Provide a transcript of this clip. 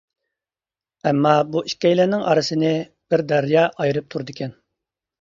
ئەمما بۇ ئىككىيلەننىڭ ئارىسىنى بىر دەريا ئايرىپ تۇرىدىكەن.